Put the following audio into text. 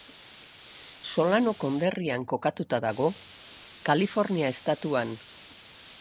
Solano konderrian kokatuta dago, Kalifornia estatuan.